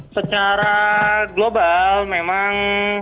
secara global memang